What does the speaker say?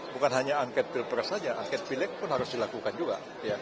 bukan hanya angket pilpres saja angket pileg pun harus dilakukan juga